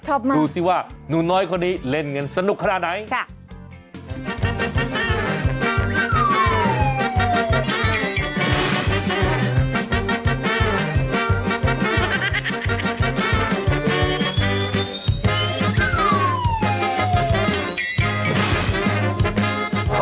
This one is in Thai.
ชอบมากดูสิว่าหนูน้อยคนนี้เล่นกันสนุกขนาดไหนค่ะ